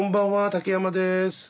竹山です。